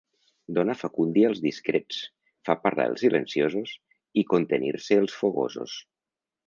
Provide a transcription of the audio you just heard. Dona facúndia als discrets, fa parlar els silenciosos i contenir-se els fogosos.